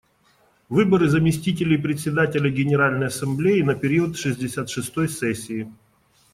Выборы заместителей Председателя Генеральной Ассамблеи на период шестьдесят шестой сессии.